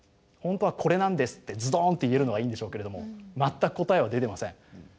「本当はこれなんです」ってズドンと言えるのがいいんでしょうけれども全く答えは出てません。